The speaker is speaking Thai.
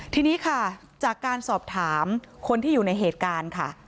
ทีนี้ค่ะจากการสอบถามคนที่อยู่ในเหตุการณ์ค่ะ